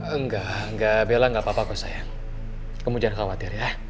enggak enggak bella enggak apa apa kok sayang kamu jangan khawatir ya